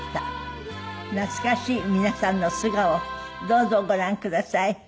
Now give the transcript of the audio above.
懐かしい皆さんの素顔をどうぞご覧ください。